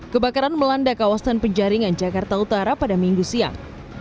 kebakaran melanda kawasan penjaringan jakarta utara pada minggu siang